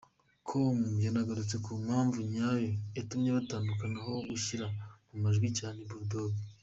com yanagurutse ku mpamvu nyayo yatumye batandukana aho yashyize mu majwi cyane Bull Dogg.